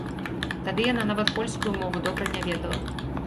Тады яна нават польскую мову добра не ведала.